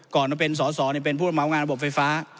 ก่อนผมเป็นตรศในพุฒมาเมส์งานระบบไฟฟ้า